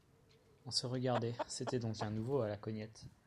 On se regardait : c’était donc un nouveau à la Cognette